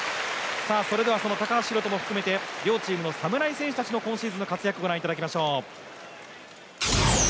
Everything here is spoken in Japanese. それでは高橋宏斗も含めて両チームの侍選手の今シーズンの活躍をご覧いただきましょう。